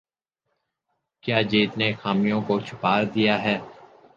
کیا جیت نے خامیوں کو چھپا دیا ہے